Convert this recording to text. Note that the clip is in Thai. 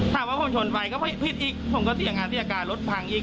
ถ้าว่าผมชนไปก็พิดอีกผมก็เสี่ยงอาศัยการรถพังอีก